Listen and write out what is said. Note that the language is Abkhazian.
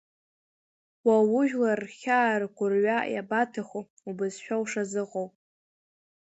Уа ужәлар рхьаа, ргәырҩара, иабарҭаху, убызшәа ушазыҟоу?